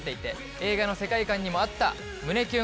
映画の世界観にもあった胸キュン